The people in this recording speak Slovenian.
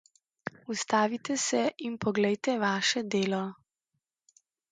Ustavite se in poglejte vaše delo.